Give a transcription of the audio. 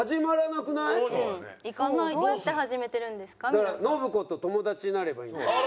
だから信子と友達になればいいんだよ。